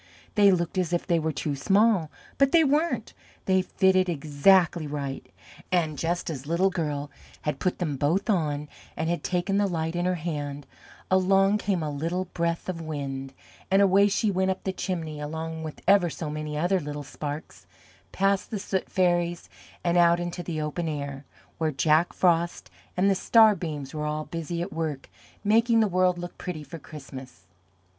They looked as if they were too small, but they weren't they fitted exactly right, and just as Little Girl had put them both on and had taken the Light in her hand, along came a little Breath of Wind, and away she went up the chimney, along with ever so many other little Sparks, past the Soot Fairies, and out into the Open Air, where Jack Frost and the Star Beams were all busy at work making the world look pretty for Christmas.